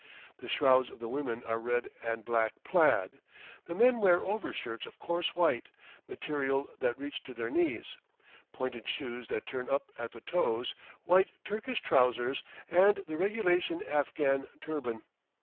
The shrouds of the women are red and black plaid; the men wear overshirts of coarse white; material that reach to their knees, pointed shoes that turn up at the toes, white Turkish trousers, and the regulation Afghan turban.